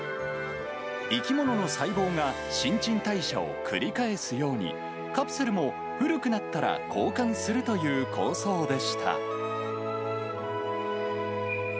生き物の細胞が新陳代謝を繰り返すように、カプセルも古くなったら交換するという構想でした。